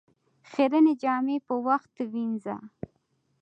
خيرنې جامې په وخت ووينځه